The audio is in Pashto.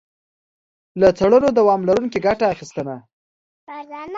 له څړونو دوام لرونکي ګټه اخیستنه.